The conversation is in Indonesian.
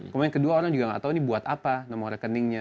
kemudian kedua orang juga nggak tahu ini buat apa nomor rekeningnya